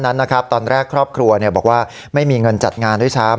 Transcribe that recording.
นั้นนะครับตอนแรกครอบครัวบอกว่าไม่มีเงินจัดงานด้วยซ้ำ